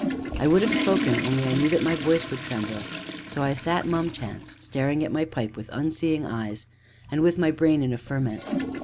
I would have spoken, only I knew that my voice would tremble, and so I sat mum chance, staring at my pipe with unseeing eyes, and with my brain in a ferment.